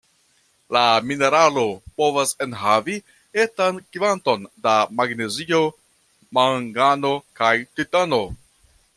La mineralo povas enhavi etan kvanton da magnezio, mangano kaj titano.